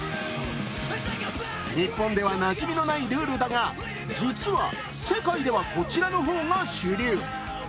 日本ではなじみのないルールだが実は世界ではこちらの方が主流。